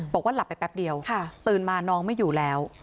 บอกว่าหลับไปแป๊บเดียวตื่นมาน้องไม่อยู่แล้ว